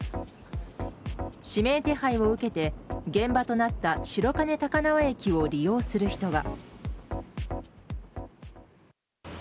指名手配を受けて現場となった白金高輪駅を利用する人は。